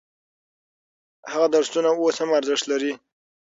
هغه درسونه اوس هم ارزښت لري.